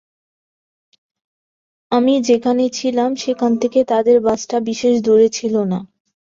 আমি যেখানে ছিলাম, সেখান থেকে তাঁদের বাসাটা বিশেষ দূরে ছিল না।